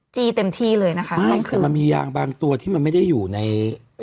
จีเต็มที่เลยนะคะต้องคืนไม่แต่มันมีอย่างบางตัวที่มันไม่ได้อยู่ใน